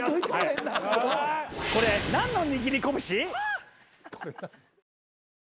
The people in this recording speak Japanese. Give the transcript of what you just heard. これ何の握り拳？